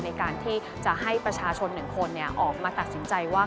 ในการที่จะให้ประชาชน๑คนออกมาตัดสินใจว่า